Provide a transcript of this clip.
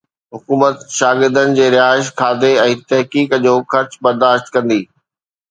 حڪومت شاگردن جي رهائش، کاڌي ۽ تحقيق جو خرچ برداشت ڪندي.